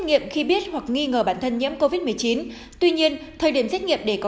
nghiệm khi biết hoặc nghi ngờ bản thân nhiễm covid một mươi chín tuy nhiên thời điểm xét nghiệm để có